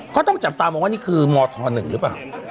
ก็ต้องจับตามองว่านี่คือมธ๑หรือเปล่า